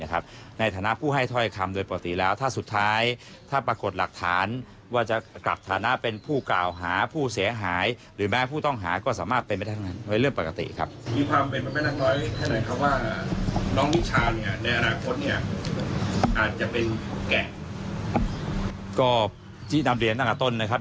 ก็จินำเรียนตั้งแต่ต้นนะครับ